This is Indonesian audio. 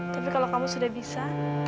tapi kalau kamu sudah bisa